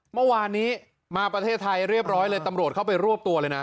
เมื่อวานนี้มาประเทศไทยเรียบร้อยเลยตำรวจเข้าไปรวบตัวเลยนะ